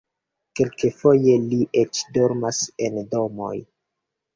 Kelkfoje ili eĉ dormas en domoj.